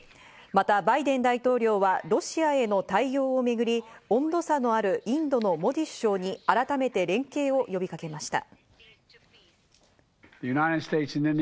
まだバイデン大統領はロシアへの対応をめぐり、温度差のあるインドのモディ首相に改めて連携を呼びかけました。